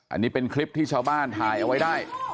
อันนี้เป็นคลิปที่ชาวบ้านถ่ายเอาไว้ได้